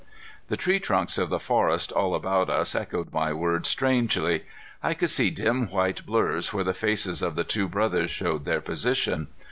The tree trunks of the forest all about us echoed my words strangely. I could see dim white blurs where the faces of the two brothers showed their position.